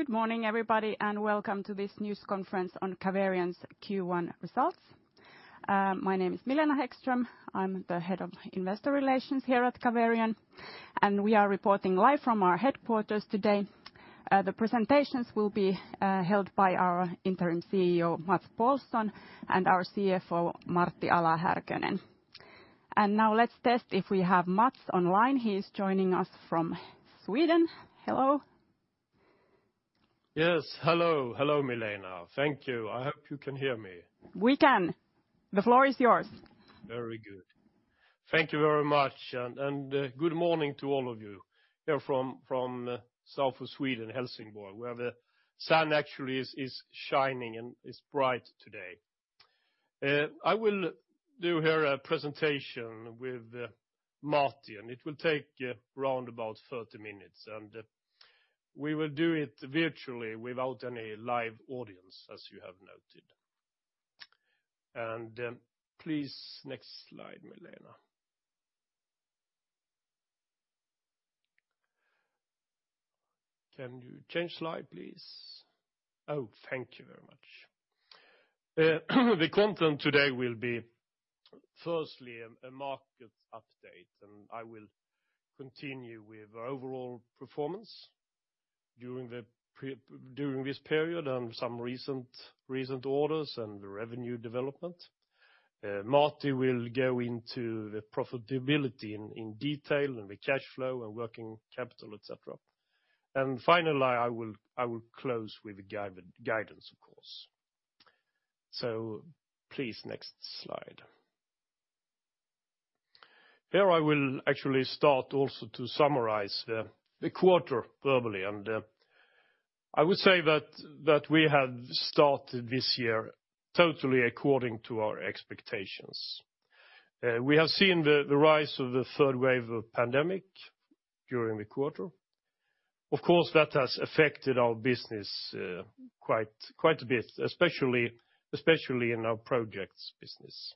Good morning, everybody, and welcome to this news conference on Caverion's Q1 results. My name is Milena Hæggström. I'm the Head of Investor Relations here at Caverion, and we are reporting live from our headquarters today. The presentations will be held by our Interim CEO, Mats Paulsson, and our CFO, Martti Ala-Härkönen. Now let's test if we have Mats online. He's joining us from Sweden. Hello? Yes. Hello, Milena. Thank you. I hope you can hear me. We can. The floor is yours. Very good. Thank you very much, and good morning to all of you here from south of Sweden, Helsingborg, where the sun actually is shining, and it's bright today. I will do here a presentation with Martti. It will take around 30 minutes. We will do it virtually without any live audience, as you have noted. Please, next slide, Milena. Can you change slide, please? Thank you very much. The content today will be firstly a market update. I will continue with our overall performance during this period and some recent orders and revenue development. Martti will go into the profitability in detail and the cash flow and working capital, et cetera. Finally, I will close with the guidance, of course. Please, next slide. Here, I will actually start also to summarize the quarter verbally. I would say that we have started this year totally according to our expectations. We have seen the rise of the third wave of pandemic during the quarter. Of course, that has affected our business quite a bit, especially in our projects business.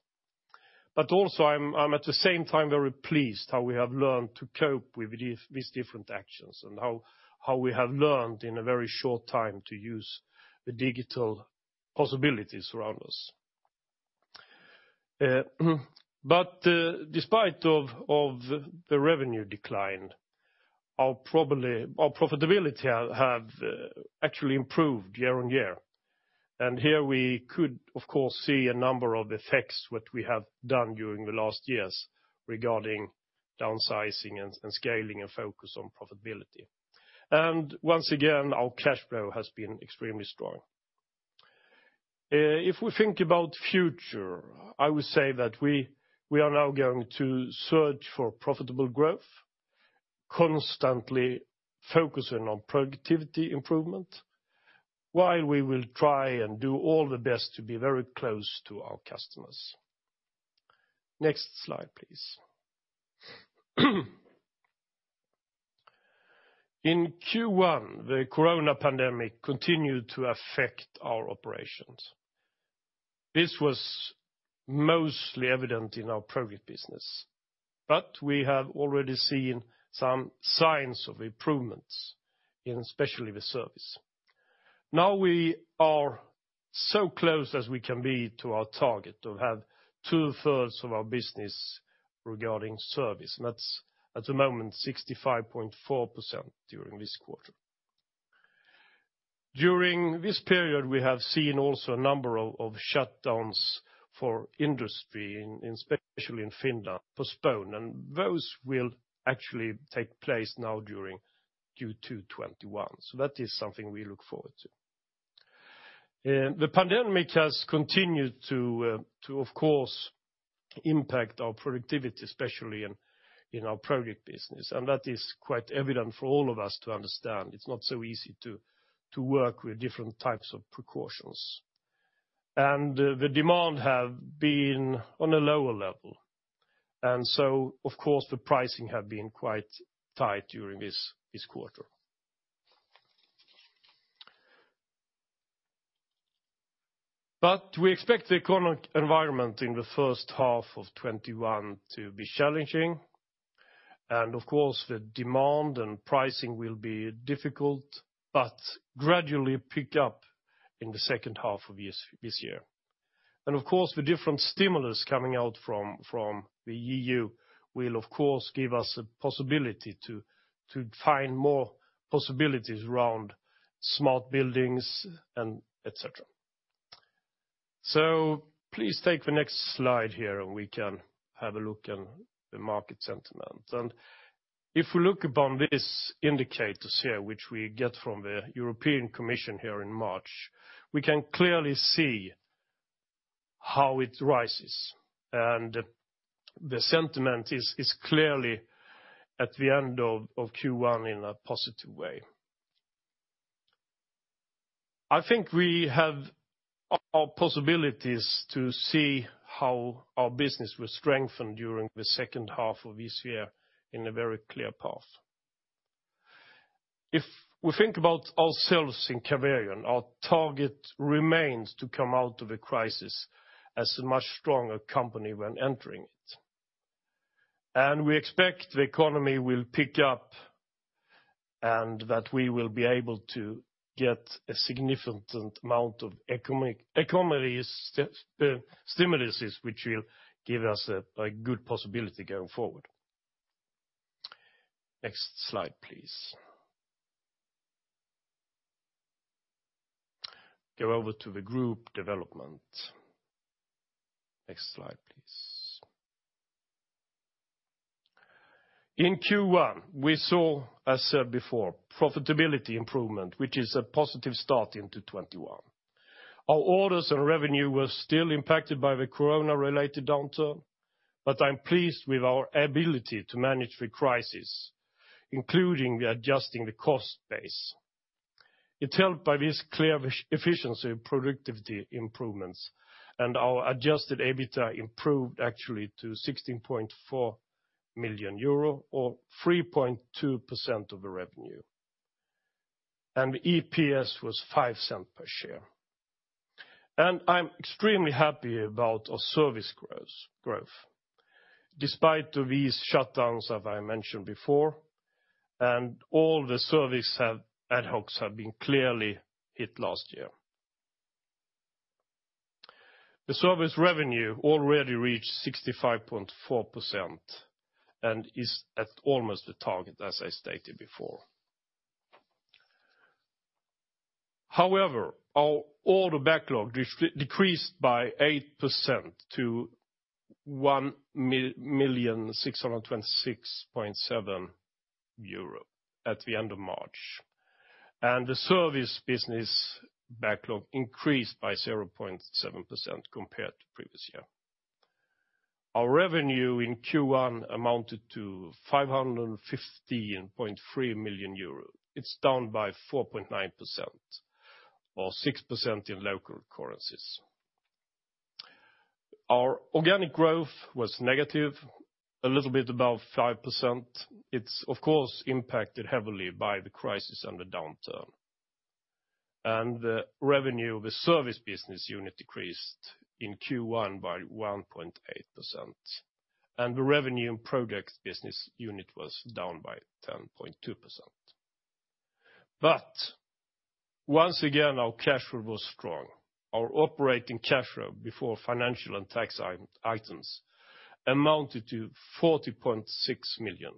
Also, I'm, at the same time, very pleased how we have learned to cope with these different actions and how we have learned in a very short time to use the digital possibilities around us. Despite of the revenue decline, our profitability have actually improved year-on-year. Here we could, of course, see a number of effects, what we have done during the last years regarding downsizing and scaling and focus on profitability. Once again, our cash flow has been extremely strong. If we think about future, I would say that we are now going to search for profitable growth, constantly focusing on productivity improvement, while we will try and do all the best to be very close to our customers. Next slide, please. In Q1, the coronavirus pandemic continued to affect our operations. This was mostly evident in our project business, but we have already seen some signs of improvements in especially the service. Now we are so close as we can be to our target to have two-thirds of our business regarding service, and that's at the moment 65.4% during this quarter. During this period, we have seen also a number of shutdowns for industry, especially in Finland, postponed, and those will actually take place now during Q2 2021. That is something we look forward to. The pandemic has continued to, of course, impact our productivity, especially in our project business, and that is quite evident for all of us to understand. It's not so easy to work with different types of precautions. The demand have been on a lower level, of course, the pricing have been quite tight during this quarter. We expect the economic environment in the first half of 2021 to be challenging, of course, the demand and pricing will be difficult, gradually pick up in the second half of this year. Of course, the different stimulus coming out from the EU will, of course, give us a possibility to find more possibilities around smart buildings and etc. Please take the next slide here, we can have a look at the market sentiment. If we look upon these indicators here, which we get from the European Commission here in March, we can clearly see how it rises, and the sentiment is clearly at the end of Q1 in a positive way. I think we have our possibilities to see how our business will strengthen during the second half of this year in a very clear path. If we think about ourselves in Caverion, our target remains to come out of the crisis as a much stronger company when entering it. We expect the economy will pick up and that we will be able to get a significant amount of economic stimuluses, which will give us a good possibility going forward. Next slide, please. Go over to the group development. Next slide, please. In Q1, we saw, as said before, profitability improvement, which is a positive start into 2021. Our orders and revenue were still impacted by the COVID-19-related downturn, I'm pleased with our ability to manage the crisis, including the adjusting the cost base. It's helped by this clear efficiency and productivity improvements, our adjusted EBITDA improved actually to 16.4 million euro or 3.2% of the revenue. EPS was 0.05 per share. I'm extremely happy about our service growth despite these shutdowns, as I mentioned before, and all the service ad hocs have been clearly hit last year. The service revenue already reached 65.4% and is at almost the target as I stated before. However, our order backlog decreased by 8% to 1,626.7 euro at the end of March, and the service business backlog increased by 0.7% compared to previous year. Our revenue in Q1 amounted to 515.3 million euro. It's down by 4.9% or 6% in local currencies. Our organic growth was negative, a little bit above 5%. It's of course impacted heavily by the crisis and the downturn. The revenue of a service business unit decreased in Q1 by 1.8%, and the revenue and product business unit was down by 10.2%. Once again, our cash flow was strong. Our operating cash flow before financial and tax items amounted to 40.6 million,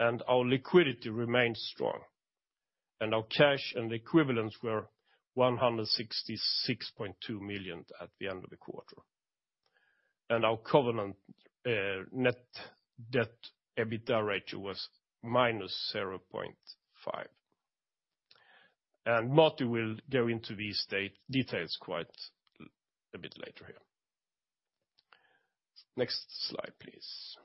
our liquidity remains strong, our cash and equivalents were 166.2 million at the end of the quarter. Our covenant net debt, EBITDA ratio was minus 0.5. Martti will go into these details quite a bit later here. Next slide, please.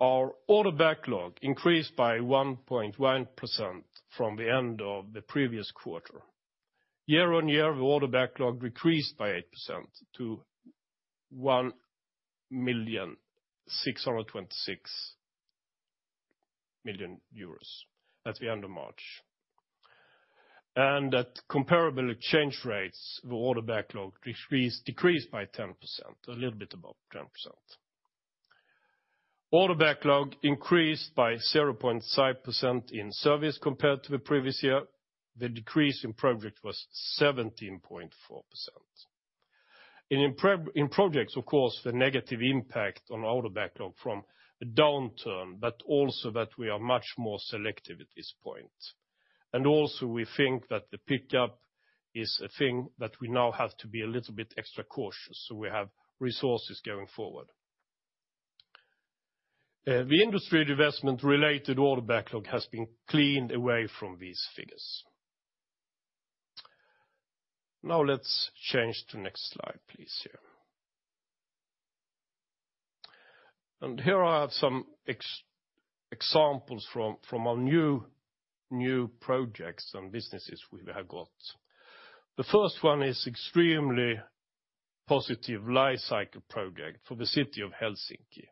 Our order backlog increased by 1.1% from the end of the previous quarter. Year-on-year, the order backlog decreased by 8% to 1,626 million euros at the end of March. At comparable exchange rates, the order backlog decreased by 10%, a little bit above 10%. Order backlog increased by 0.5% in service compared to the previous year. The decrease in project was 17.4%. In projects, of course, the negative impact on order backlog from the downturn, but also that we are much more selective at this point. Also, we think that the pickup is a thing that we now have to be a little bit extra cautious so we have resources going forward. The industry divestment-related order backlog has been cleaned away from these figures. Now let's change to next slide, please, here. Here are some examples from our new projects and businesses we have got. The first one is extremely positive life cycle project for the city of Helsinki.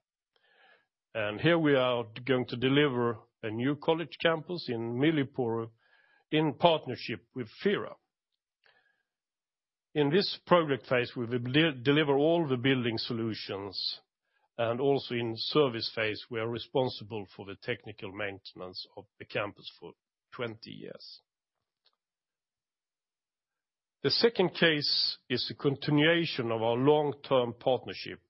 Here we are going to deliver a new college campus in Myllypuro in partnership with Fira. In this project phase, we will deliver all the building solutions, and also in service phase, we are responsible for the technical maintenance of the campus for 20 years. The second case is a continuation of our long-term partnership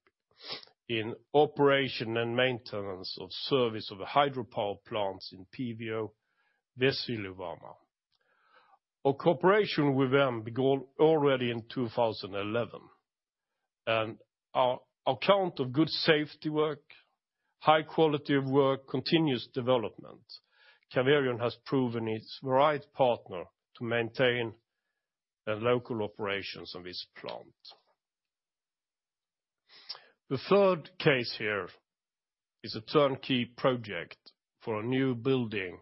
in operation and maintenance of service of the hydropower plants in PVO-Vesivoima. Our cooperation with them began already in 2011. Our account of good safety work, high quality of work, continuous development, Caverion has proven it's the right partner to maintain the local operations of this plant. The third case here is a turnkey project for a new building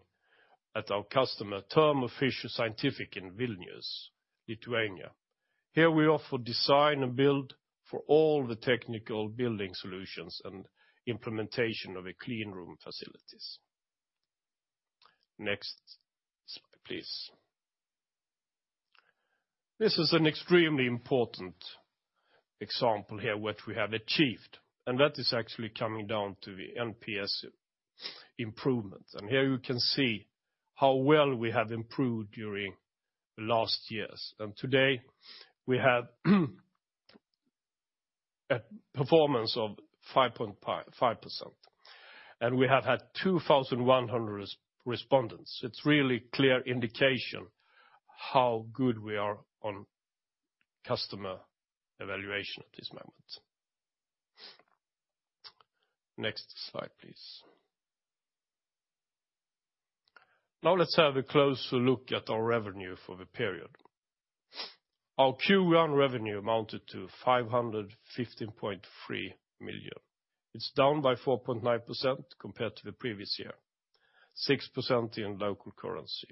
at our customer, Thermo Fisher Scientific in Vilnius, Lithuania. Here we offer design and build for all the technical building solutions and implementation of a clean room facilities. Next slide, please. This is an extremely important example here, what we have achieved. That is actually coming down to the NPS improvement. Here you can see how well we have improved during last years. Today, we have a performance of 5.5%, and we have had 2,100 respondents. It's really clear indication how good we are on customer evaluation at this moment. Next slide, please. Now let's have a closer look at our revenue for the period. Our Q1 revenue amounted to 515.3 million. It's down by 4.9% compared to the previous year, 6% in local currency,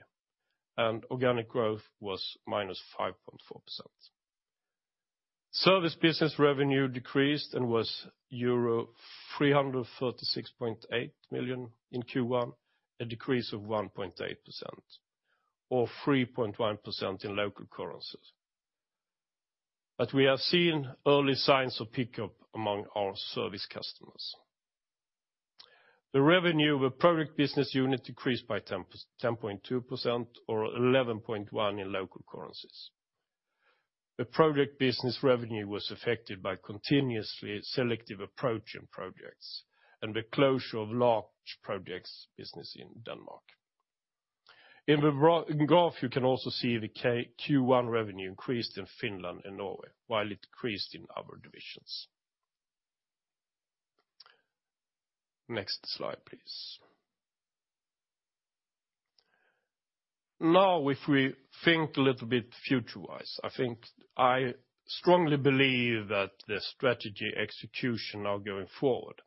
and organic growth was minus 5.4%. Service business revenue decreased and was euro 336.8 million in Q1, a decrease of 1.8%, or 3.1% in local currencies. We are seeing early signs of pickup among our service customers. The revenue of a product business unit decreased by 10.2%, or 11.1% in local currencies. The product business revenue was affected by continuously selective approach in projects, and the closure of large projects business in Denmark. In the graph, you can also see the Q1 revenue increased in Finland and Norway, while it decreased in other divisions. Next slide, please. If we think a little bit future wise, I strongly believe that the strategy execution now going forward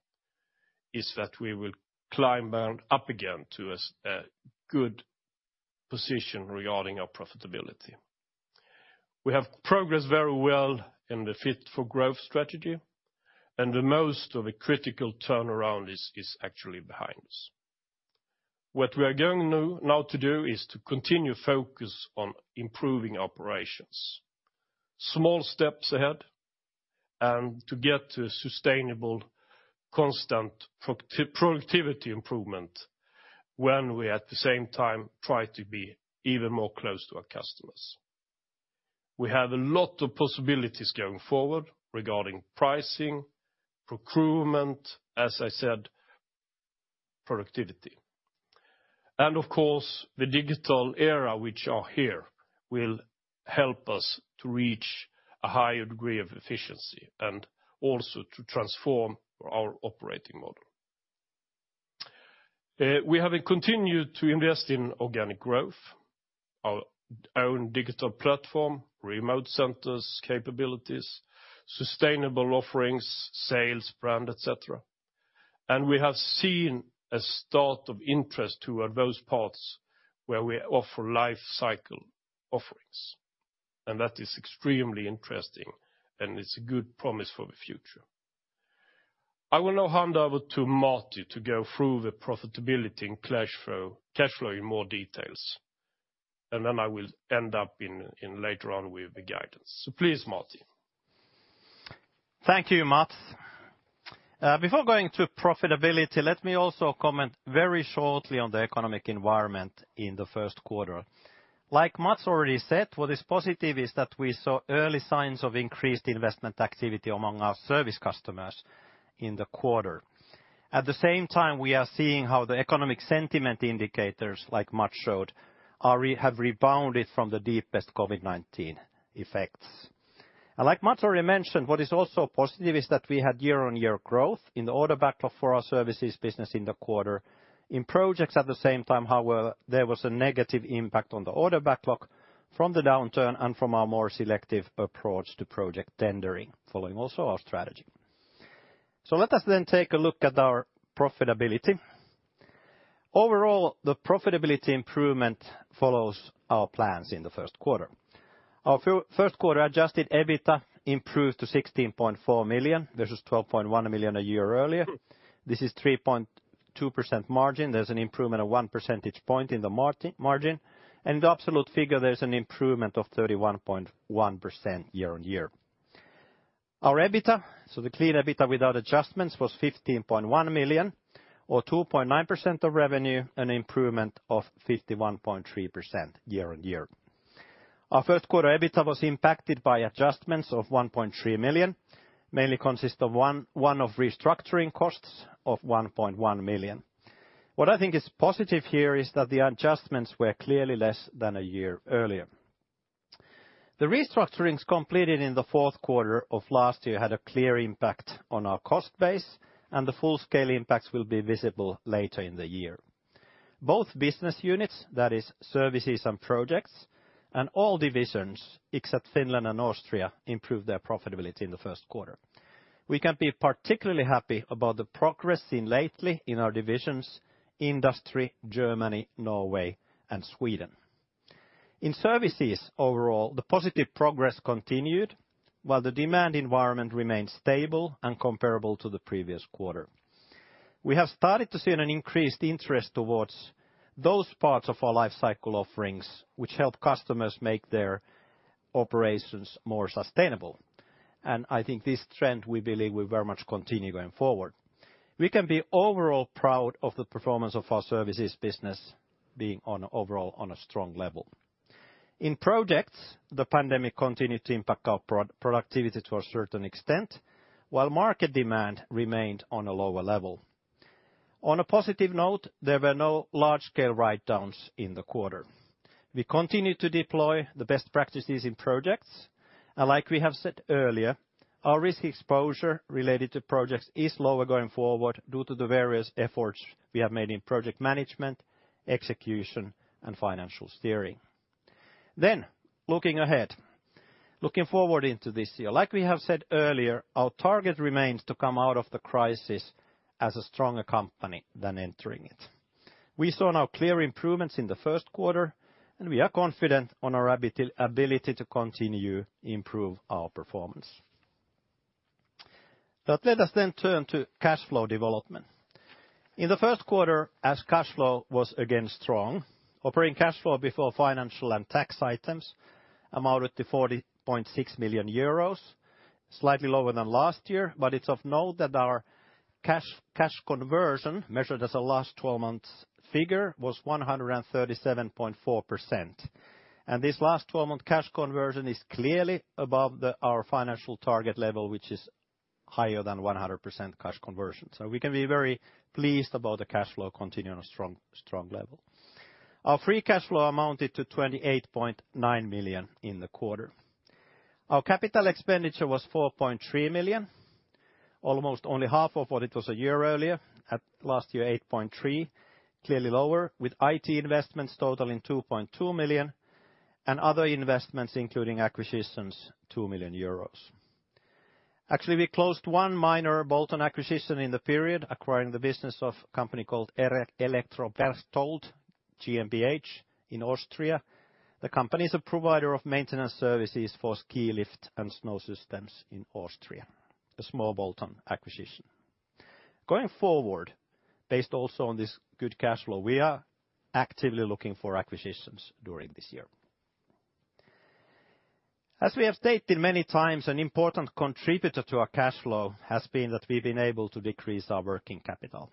is that we will climb up again to a good position regarding our profitability. We have progressed very well in the Fit for Growth strategy, and the most of a critical turnaround is actually behind us. What we are going now to do is to continue focus on improving operations. Small steps ahead, and to get to a sustainable, constant productivity improvement when we, at the same time, try to be even more close to our customers. We have a lot of possibilities going forward regarding pricing, procurement, as I said, productivity. Of course, the digital era which are here will help us to reach a higher degree of efficiency and also to transform our operating model. We have continued to invest in organic growth, our own digital platform, remote centers, capabilities, sustainable offerings, sales, brand, etc. We have seen a start of interest toward those parts where we offer life cycle offerings, and that is extremely interesting and it's a good promise for the future. I will now hand over to Martti to go through the profitability and cash flow in more details, and then I will end up in later on with the guidance. Please, Martti. Thank you, Mats. Before going to profitability, let me also comment very shortly on the economic environment in the first quarter. Like Mats already said, what is positive is that we saw early signs of increased investment activity among our service customers in the quarter. At the same time, we are seeing how the economic sentiment indicators, like Mats showed, have rebounded from the deepest COVID-19 effects. Like Mats already mentioned, what is also positive is that we had year-on-year growth in the order backlog for our services business in the quarter. In projects at the same time, however, there was a negative impact on the order backlog from the downturn and from our more selective approach to project tendering, following also our strategy. Let us then take a look at our profitability. Overall, the profitability improvement follows our plans in the first quarter. Our first quarter adjusted EBITDA improved to 16.4 million. This was 12.1 million a year earlier. This is 3.2% margin. There is an improvement of one percentage point in the margin. The absolute figure, there is an improvement of 31.1% year-on-year. Our EBITDA, so the clear EBITDA without adjustments was 15.1 million or 2.9% of revenue, an improvement of 51.3% year-on-year. Our first quarter EBITDA was impacted by adjustments of 1.3 million, mainly consist of one-off restructuring costs of 1.1 million. What I think is positive here is that the adjustments were clearly less than a year earlier. The restructurings completed in the fourth quarter of last year had a clear impact on our cost base, and the full-scale impacts will be visible later in the year. Both business units, that is services and projects, and all divisions, except Finland and Austria, improved their profitability in the first quarter. We can be particularly happy about the progress seen lately in our divisions, Industry, Germany, Norway, and Sweden. In services overall, the positive progress continued, while the demand environment remained stable and comparable to the previous quarter. We have started to see an increased interest towards those parts of our life cycle offerings which help customers make their operations more sustainable. I think this trend, we believe, will very much continue going forward. We can be overall proud of the performance of our services business being overall on a strong level. In projects, the pandemic continued to impact our productivity to a certain extent, while market demand remained on a lower level. On a positive note, there were no large-scale write-downs in the quarter. We continued to deploy the best practices in projects, and like we have said earlier, our risk exposure related to projects is lower going forward due to the various efforts we have made in project management, execution, and financial steering. Looking ahead, looking forward into this year, like we have said earlier, our target remains to come out of the crisis as a stronger company than entering it. We saw now clear improvements in the first quarter, and we are confident on our ability to continue improve our performance. Let us then turn to cash flow development. In the first quarter, as cash flow was again strong, operating cash flow before financial and tax items amounted to 40.6 million euros, slightly lower than last year, but it's of note that our cash conversion, measured as a last 12 months figure, was 137.4%. This last 12-month cash conversion is clearly above our financial target level, which is higher than 100% cash conversion. We can be very pleased about the cash flow continuing on a strong level. Our free cash flow amounted to 28.9 million in the quarter. Our capital expenditure was 4.3 million, almost only half of what it was a year earlier at last year, 8.3 million, clearly lower, with IT investments totaling 2.2 million and other investments including acquisitions, 2 million euros. Actually, we closed one minor bolt-on acquisition in the period, acquiring the business of a company called Elektro Berchtold GmbH in Austria. The company is a provider of maintenance services for ski lift and snow systems in Austria, a small bolt-on acquisition. Going forward, based also on this good cash flow, we are actively looking for acquisitions during this year. As we have stated many times, an important contributor to our cash flow has been that we've been able to decrease our working capital.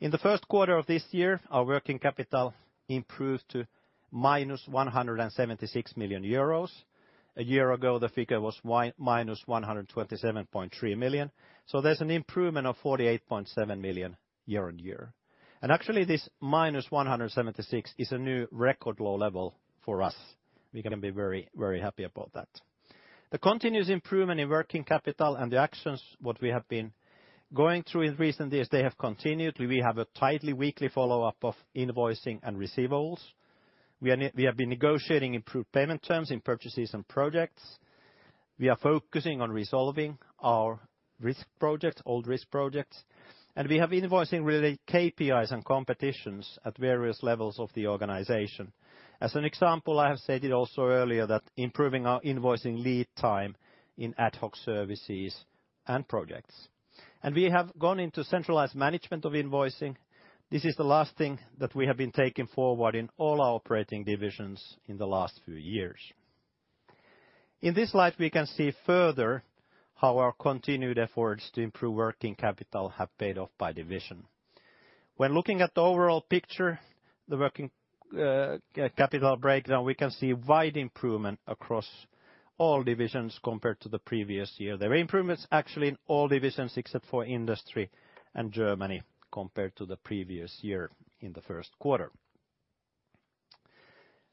In the first quarter of this year, our working capital improved to -176 million euros. A year ago, the figure was -127.3 million. There's an improvement of 48.7 million year-over-year. Actually, this -176 is a new record low level for us. We can be very happy about that. The continuous improvement in working capital and the actions what we have been going through in recent years, they have continued. We have a tightly weekly follow-up of invoicing and receivables. We have been negotiating improved payment terms in purchases and projects. We are focusing on resolving our risk projects, old risk projects, and we have invoicing-related KPIs and competitions at various levels of the organization. As an example, I have stated also earlier that improving our invoicing lead time in ad hoc services and projects. We have gone into centralized management of invoicing. This is the last thing that we have been taking forward in all our operating divisions in the last few years. In this slide, we can see further how our continued efforts to improve working capital have paid off by division. When looking at the overall picture, the working capital breakdown, we can see wide improvement across all divisions compared to the previous year. There are improvements actually in all divisions except for industry and Germany compared to the previous year in the first quarter.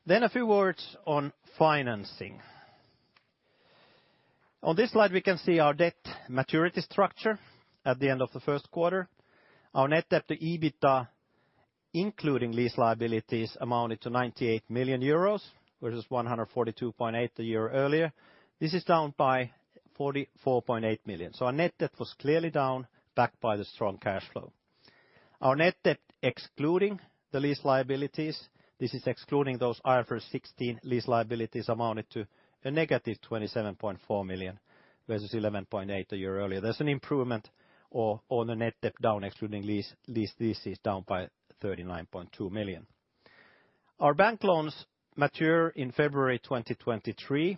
A few words on financing. On this slide, we can see our debt maturity structure at the end of the first quarter. Our net debt to EBITDA, including lease liabilities, amounted to 98 million euros, versus 142.8 million a year earlier. This is down by 44.8 million. Our net debt was clearly down, backed by the strong cash flow. Our net debt excluding the lease liabilities, this is excluding those IFRS 16 lease liabilities, amounted to a -27.4 million, versus 11.8 million a year earlier. There's an improvement on the net debt down excluding lease. This is down by 39.2 million. Our bank loans mature in February 2023.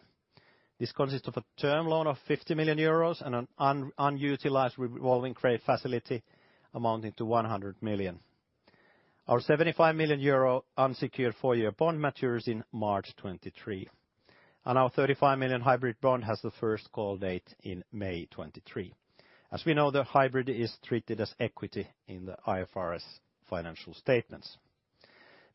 This consists of a term loan of 50 million euros and an unutilized revolving credit facility amounting to 100 million. Our 75 million euro unsecured four-year bond matures in March 2023. Our 35 million hybrid bond has the first call date in May 2023. As we know, the hybrid is treated as equity in the IFRS financial statements.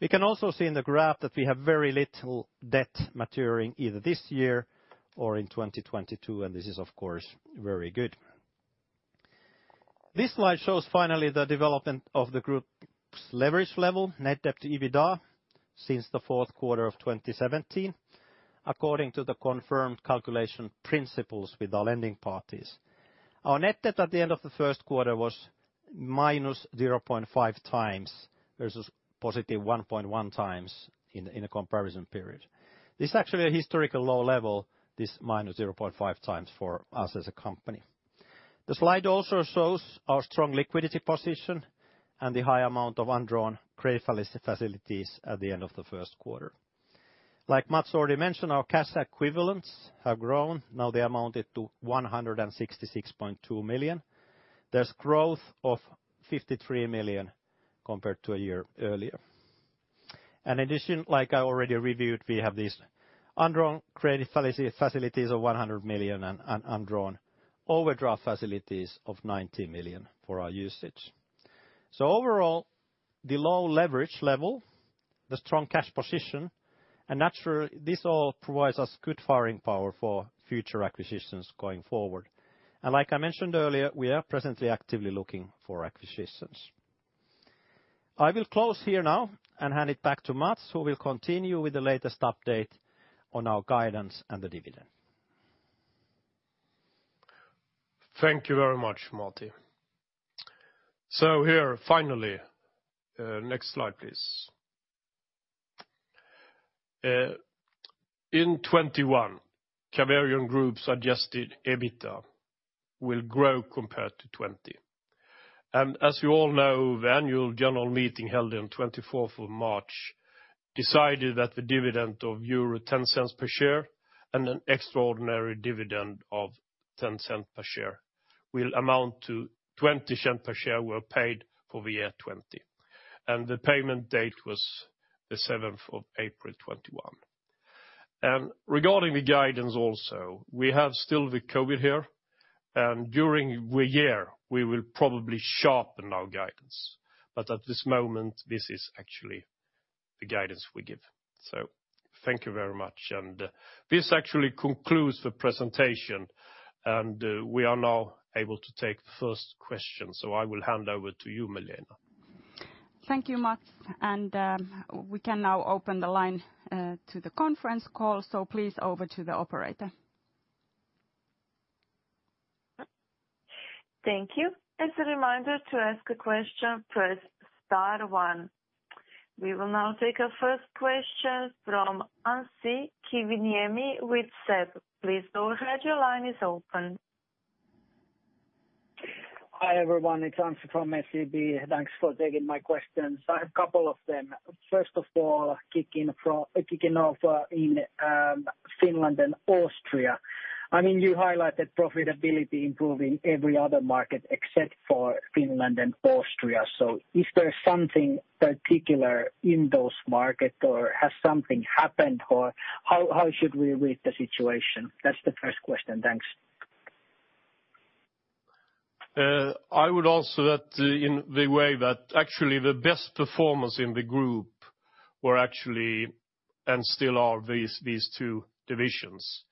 We can also see in the graph that we have very little debt maturing either this year or in 2022. This is of course, very good. This slide shows finally the development of the group's leverage level, net debt to EBITDA, since the fourth quarter of 2017. According to the confirmed calculation principles with our lending parties, our net debt at the end of the first quarter was -0.5x versus +1.1x in a comparison period. This is actually a historical low level, this minus 0.5x for us as a company. The slide also shows our strong liquidity position and the high amount of undrawn credit facilities at the end of the first quarter. Like Mats already mentioned, our cash equivalents have grown. Now they amounted to 166.2 million. There's growth of 53 million compared to a year earlier. In addition, like I already reviewed, we have these undrawn credit facilities of 100 million and undrawn overdraft facilities of 90 million for our usage. Overall, the low leverage level, the strong cash position, and naturally, this all provides us good firing power for future acquisitions going forward. Like I mentioned earlier, we are presently actively looking for acquisitions. I will close here now and hand it back to Mats, who will continue with the latest update on our guidance and the dividend. Thank you very much, Martti. Here, finally, next slide please. In 2021, Caverion Group's adjusted EBITDA will grow compared to 2020. As you all know, the annual general meeting held on March 24th decided that the dividend of 0.10 per share and an extraordinary dividend of 0.10 per share will amount to 0.20 per share were paid for the year 2020. The payment date was the April 7th, 2021. Regarding the guidance also, we have still the COVID-19 here, and during the year we will probably sharpen our guidance. At this moment, this is actually the guidance we give. Thank you very much. This actually concludes the presentation, and we are now able to take the first question. I will hand over to you, Milena. Thank you, Mats. We can now open the line to the conference call, so please over to the operator. Thank you. As a reminder, to ask a question, press star one. We will now take our first question from Anssi Kiviniemi with SEB. Please go ahead. Your line is open. Hi, everyone. It's Anssi from SEB. Thanks for taking my questions. I have couple of them. First of all, kicking off in Finland and Austria. You highlighted profitability improving every other market except for Finland and Austria. Is there something particular in those market or has something happened or how should we read the situation? That's the first question. Thanks. I would answer that in the way that actually the best performance in the group were actually, and still are, these two divisions.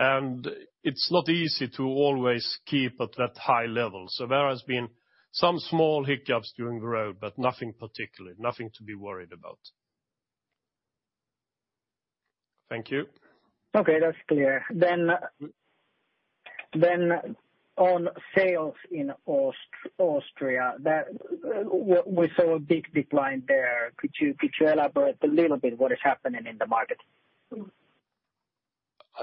It is not easy to always keep at that high level. There has been some small hiccups during the road, but nothing particular. Nothing to be worried about. Thank you. Okay, that's clear. On sales in Austria, we saw a big decline there. Could you elaborate a little bit what is happening in the market?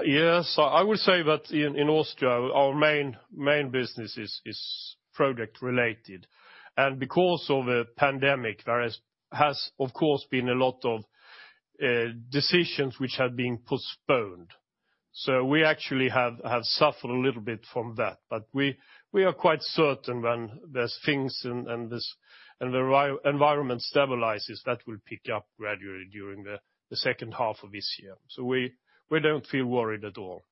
Yes. I would say that in Austria, our main business is project related, and because of the pandemic, there has, of course, been a lot of decisions which have been postponed. We actually have suffered a little bit from that. We are quite certain when there's things and the environment stabilizes, that will pick up gradually during the second half of this year. We don't feel worried at all.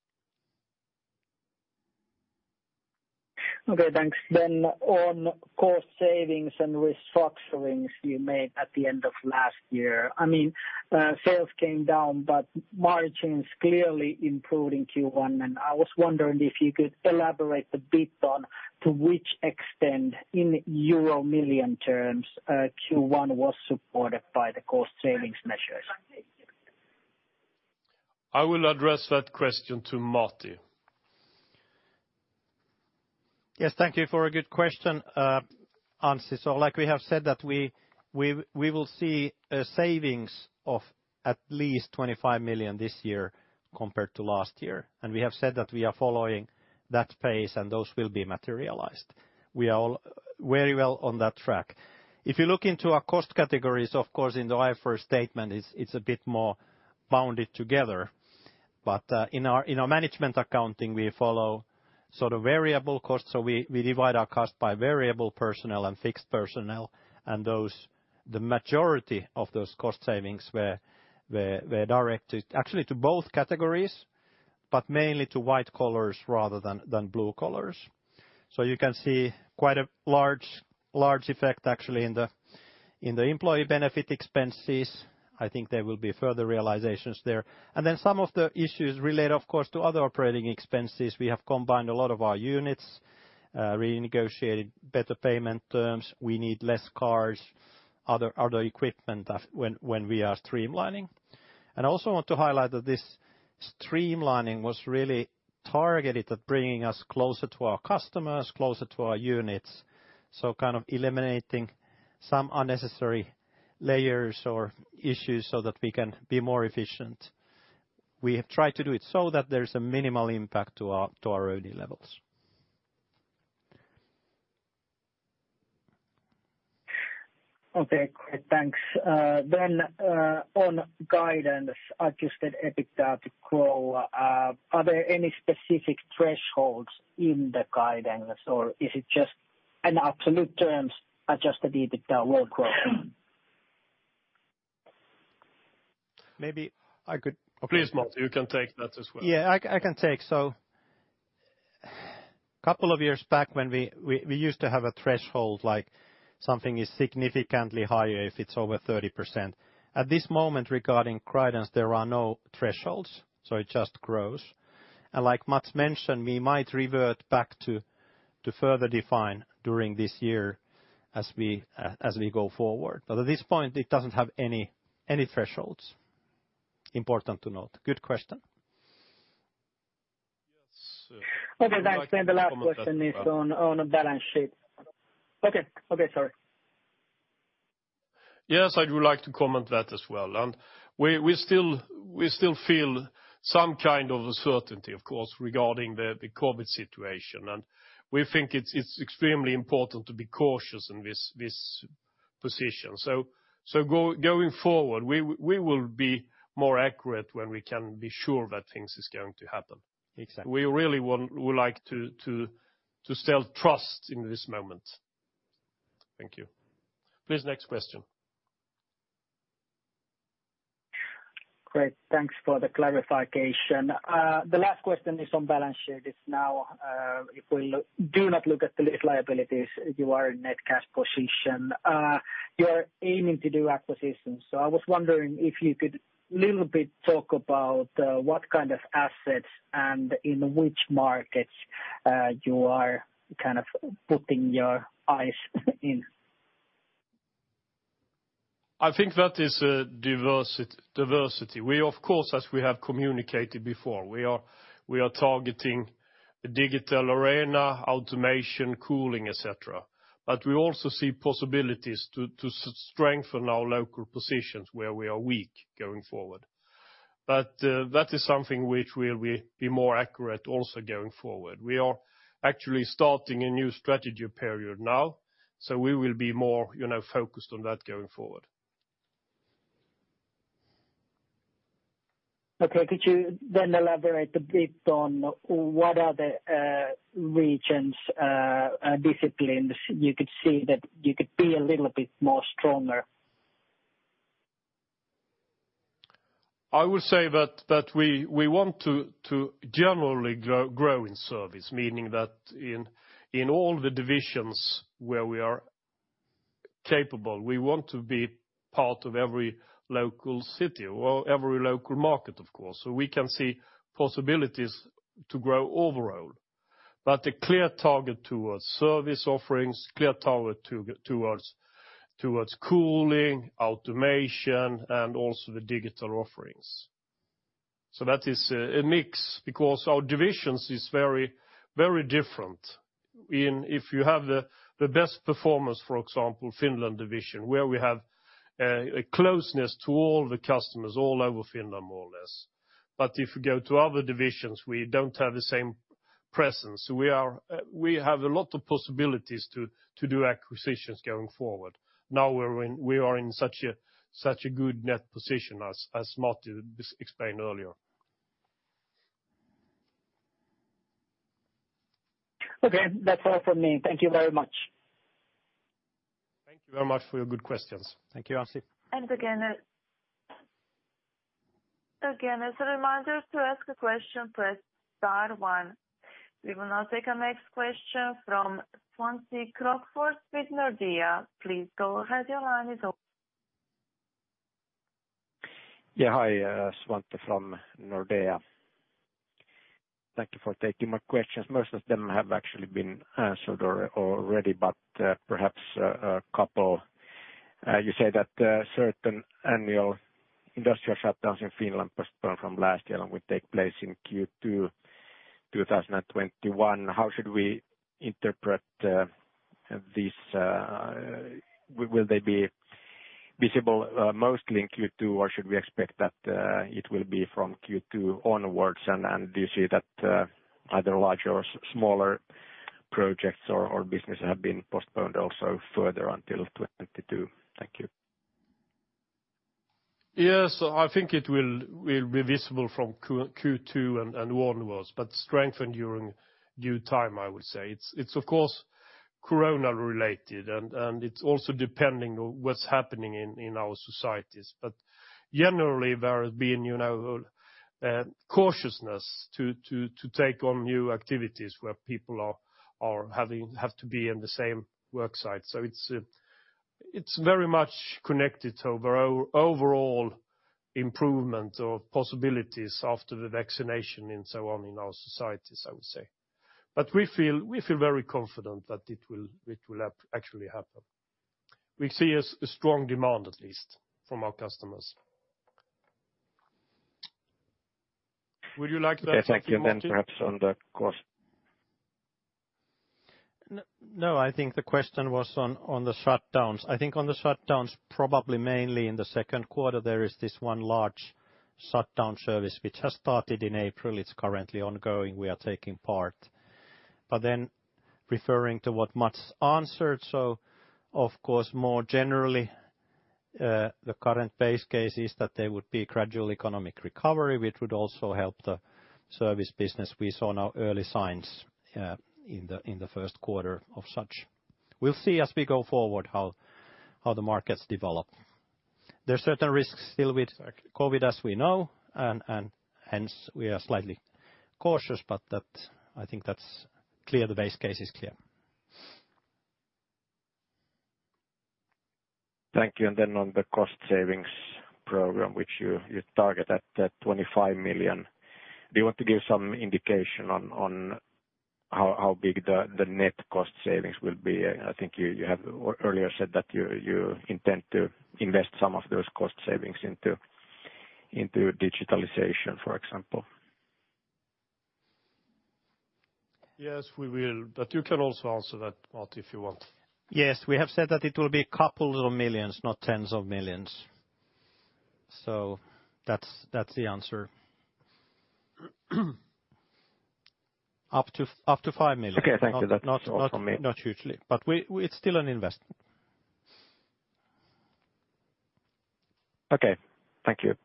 Okay, thanks. On cost savings and restructurings you made at the end of last year, sales came down, but margins clearly improved in Q1, and I was wondering if you could elaborate a bit on to which extent, in euro million terms, Q1 was supported by the cost savings measures. I will address that question to Martti. Yes, thank you for a good question, Anssi. Like we have said that we will see a savings of at least 25 million this year compared to last year. We have said that we are following that pace, and those will be materialized. We are very well on that track. If you look into our cost categories, of course, in the IFRS statement, it's a bit more bounded together. In our management accounting, we follow sort of variable costs. We divide our cost by variable personnel and fixed personnel, and the majority of those cost savings were directed actually to both categories, but mainly to white collars rather than blue collars. You can see quite a large effect actually in the employee benefit expenses. I think there will be further realizations there. Some of the issues relate, of course, to other operating expenses. We have combined a lot of our units, renegotiated better payment terms. We need less cars, other equipment when we are streamlining. I also want to highlight that this streamlining was really targeted at bringing us closer to our customers, closer to our units. Eliminating some unnecessary layers or issues so that we can be more efficient. We have tried to do it so that there's a minimal impact to our OD levels. Okay, great. Thanks. On guidance adjusted EBITDA to grow, are there any specific thresholds in the guidance, or is it just an absolute terms adjusted EBITDA growth? Maybe I could- Please, Martti, you can take that as well. Yeah, I can take. Couple of years back when we used to have a threshold, something is significantly higher if it's over 30%. At this moment regarding guidance, there are no thresholds, so it just grows. Like Mats mentioned, we might revert back to further define during this year as we go forward. At this point, it doesn't have any thresholds. Important to note. Good question. Okay, thanks. The last question is on balance sheet. Okay, sorry. Yes, I'd like to comment that as well. We still feel some kind of uncertainty, of course, regarding the COVID-19 situation. We think it's extremely important to be cautious in this position. Going forward, we will be more accurate when we can be sure that things are going to happen. Exactly. We really would like to still trust in this moment. Thank you. Please, next question. Great. Thanks for the clarification. The last question is on balance sheet. If we do not look at the lease liabilities, you are in net cash position. You are aiming to do acquisitions. I was wondering if you could little bit talk about what kind of assets and in which markets you are putting your eyes in. I think that is diversity. We, of course, as we have communicated before, we are targeting digital arena, automation, cooling, etc. We also see possibilities to strengthen our local positions where we are weak going forward. That is something which we'll be more accurate also going forward. We are actually starting a new strategy period now, we will be more focused on that going forward. Okay. Could you then elaborate a bit on what are the regions, disciplines you could see that you could be a little bit more stronger? I would say that we want to generally grow in service, meaning that in all the divisions where we are capable, we want to be part of every local city or every local market, of course. We can see possibilities to grow overall. A clear target towards service offerings, clear target towards cooling, automation, and also the digital offerings. That is a mix because our divisions is very different. If you have the best performance, for example, Finland division, where we have a closeness to all the customers all over Finland, more or less. If you go to other divisions, we don't have the same presence. We have a lot of possibilities to do acquisitions going forward. Now we are in such a good net position as Martti explained earlier. Okay. That's all from me. Thank you very much. Thank you very much for your good questions. Thank you, Anssi. Again, as a reminder to ask a question, press star one. We will now take our next question from Svante Krokfors with Nordea. Please go ahead. Your line is open. Hi, Svante from Nordea. Thank you for taking my questions. Most of them have actually been answered already, but perhaps a couple. You say that certain annual industrial shutdowns in Finland postponed from last year and will take place in Q2 2021. How should we interpret this? Will they be visible mostly in Q2, or should we expect that it will be from Q2 onwards? Do you see that either larger or smaller projects or business have been postponed also further until 2022? Thank you. Yes, I think it will be visible from Q2 and onwards, strengthened during due time, I would say. It's of course corona related, and it's also depending on what's happening in our societies. Generally, there has been cautiousness to take on new activities where people have to be in the same work site. So it's very much connected to overall improvement of possibilities after the vaccination and so on in our societies, I would say. We feel very confident that it will actually happen. We see a strong demand at least from our customers. Yes, thank you. Perhaps on the course. I think the question was on the shutdowns. I think on the shutdowns, probably mainly in the second quarter, there is this one large shutdown service which has started in April. It's currently ongoing. We are taking part. Referring to what Mats answered, of course, more generally, the current base case is that there would be gradual economic recovery, which would also help the service business. We saw now early signs in the first quarter of such. We'll see as we go forward how the markets develop. There are certain risks still with COVID-19, as we know, and hence we are slightly cautious, but I think that's clear, the base case is clear. Thank you. On the cost savings program, which you target at 25 million, do you want to give some indication on how big the net cost savings will be? I think you have earlier said that you intend to invest some of those cost savings into digitalization, for example. Yes, we will. You can also answer that, Martti, if you want. Yes, we have said that it will be couples of millions, not tens of millions. That's the answer. Up to 5 million. Okay. Thank you. That's all from me. not hugely. It's still an investment. Okay. Thank you. Thank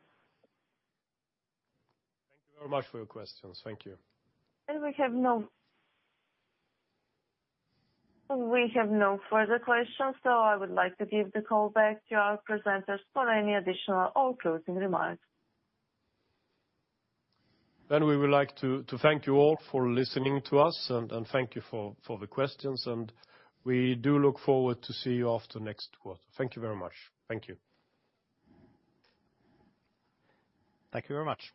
you very much for your questions. Thank you. We have no further questions. I would like to give the call back to our presenters for any additional or closing remarks. We would like to thank you all for listening to us, and thank you for the questions, and we do look forward to see you after next quarter. Thank you very much. Thank you. Thank you very much.